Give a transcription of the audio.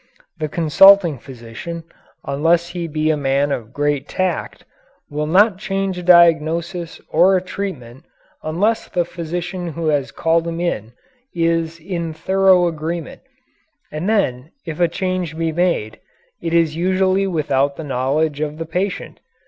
The consulting physician, unless he be a man of great tact, will not change a diagnosis or a treatment unless the physician who has called him in is in thorough agreement, and then if a change be made, it is usually without the knowledge of the patient.